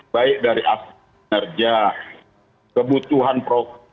baik dari asli pekerja kebutuhan pro